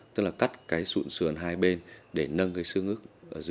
tức là cắt cái sụn sườn hai bên để nâng cái sương ức